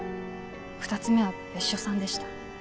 ２つ目は別所さんでした。